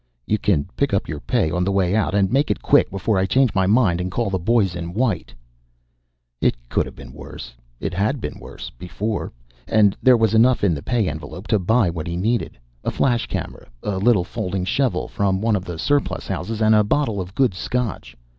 "You can pick up your pay on the way out. And make it quick, before I change my mind and call the boys in white!" It could have been worse. It had been worse before. And there was enough in the pay envelope to buy what he needed a flash camera, a little folding shovel from one of the surplus houses, and a bottle of good scotch.